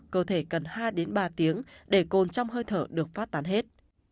cơ thể cần hai đến ba tiếng để cồn trong hơi thở được phát tán hết